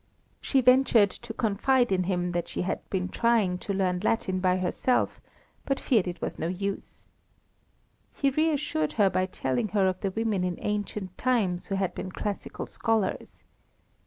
She ventured to confide in him that she had been trying to learn Latin by herself, but feared it was no use. He reassured her by telling her of the women in ancient times who had been classical scholars.